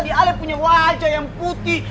di ale punya wajah yang putih